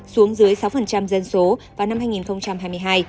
xuống dưới sáu dân số vào năm hai nghìn hai mươi hai